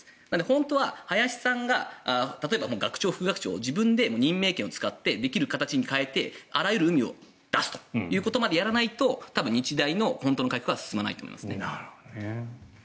本当は林さんが例えば、学長、副学長を自分で任命権を使ってできる形に変えてあらゆるうみを出すことまでやらないと日大の本当の改革は進まないと思います。